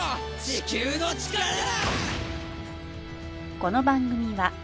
地球の力だ！